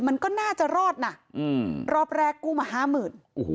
มันก็น่าจะรอดนะรอบแรกกู้มาห้ามื่น